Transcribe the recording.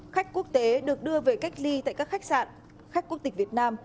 khách quốc tế được đưa về cách ly tại các khách sạn khách quốc tịch việt nam